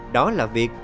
đó là việc